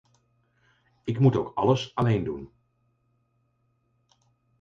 Ik moet ook alles alleen doen